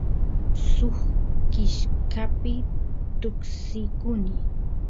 suk kishkapi tuksikuny